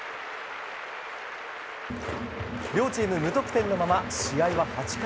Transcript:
両チーム無得点のまま試合は８回。